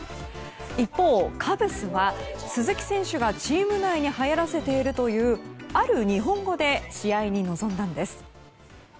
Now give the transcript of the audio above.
一方、カブスは鈴木選手がチーム内にはやらせているというある日本語で試合に臨んだんです。